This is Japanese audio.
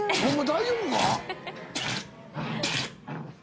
大丈夫か？